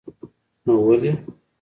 نو ولې.